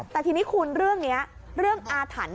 แต่ทีนี้คุณเรื่องนี้เรื่องอาถรรพ์